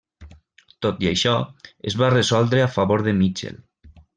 Tot i això, es va resoldre a favor de Mitchell.